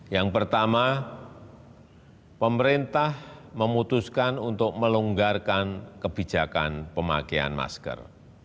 yang pertama pemerintah memutuskan untuk melonggarkan kebijakan pemakaian masker